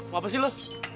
mau apa sih lu